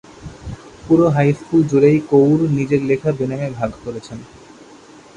পুরো high school জুড়েই কৌর নিজের লেখা বেনামে ভাগ করেছেন।